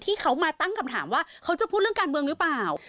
ที่เขามาตั้งคำถามว่าเขาจะพูดเรื่องการเมืองหรือเปล่า